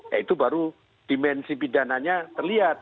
ya itu baru dimensi pidananya terlihat